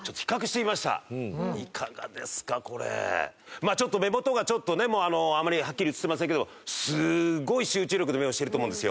まあちょっと目元がちょっとねあまりはっきり写ってませんけどもすごい集中力の目をしていると思うんですよ。